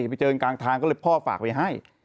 ไปเจอกลางทางก็เลยพ่อฝากไว้ให้